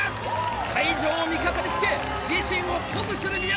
会場を味方につけ自身を鼓舞する宮川！